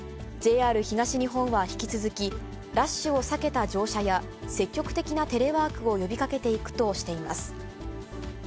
ＪＲ東日本は引き続き、ラッシュを避けた乗車や、積極的なテレワークを呼びかけていくとしています。